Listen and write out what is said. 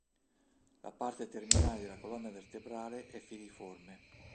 La parte terminale della colonna vertebrale è filiforme.